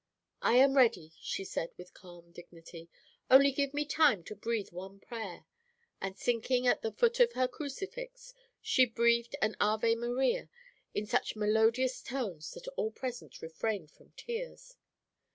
"'I am ready,' she said, with calm dignity; 'only give me time to breathe one prayer,' and, sinking at the foot of her crucifix, she breathed an Ave Maria in such melodious tones that all present refrained from tears.